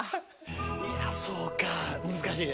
そうか難しいね。